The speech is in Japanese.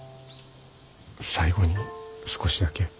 最後に少しだけ。